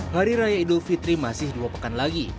hari raya idul fitri masih dua pekan lagi